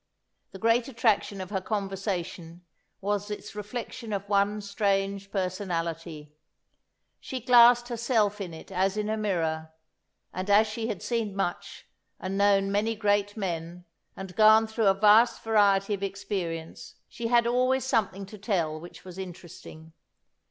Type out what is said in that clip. The great attraction of her conversation was its reflection of one strange personality: she glassed herself in it as in a mirror; and as she had seen much, and known many great men, and gone through a vast variety of experience, she had always something to tell which was interesting.